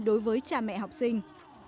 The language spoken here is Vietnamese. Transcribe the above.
đối với cha mẹ học sinh